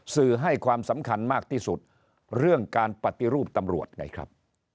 สื่อให้ความสำคัญมากที่สุดเรื่องการปฏิรูปตำรวจไงครับ